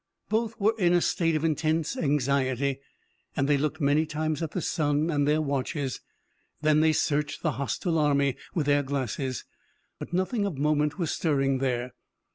Both were in a state of intense anxiety and they looked many times at the sun and their watches. Then they searched the hostile army with their glasses. But nothing of moment was stirring there.